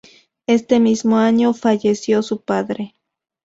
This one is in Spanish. Este mismo año falleció su padre.